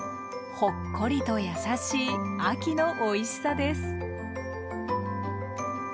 ほっこりとやさしい秋のおいしさです。